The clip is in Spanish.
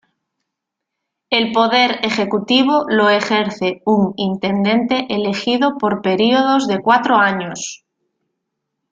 El poder ejecutivo lo ejerce un intendente elegido por períodos de cuatro años.